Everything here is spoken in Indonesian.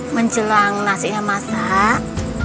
menjelang nasinya masak